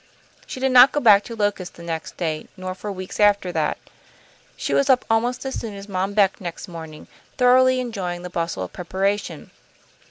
She did not go back to Locust the next day, nor for weeks after that. She was up almost as soon as Mom Beck next morning, thoroughly enjoying the bustle of preparation.